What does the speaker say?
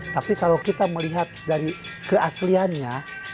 tapi kalau kita melihat dari keasliannya